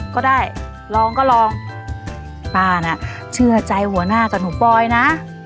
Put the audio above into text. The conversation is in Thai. ก็ได้ลองก็ลองป้าน่ะเชื่อใจหัวหน้ากับหนูปลอยนะ